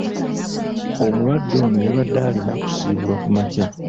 Omulwadde ono yabadde alina kusiibulwa kumakya.